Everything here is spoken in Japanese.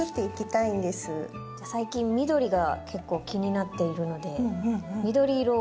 じゃあ最近緑が結構気になっているので緑色を。